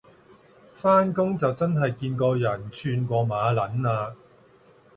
返工就真係見過人串過馬撚嘞